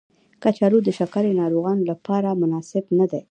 کچالو د شکرې ناروغانو لپاره مناسب ندی.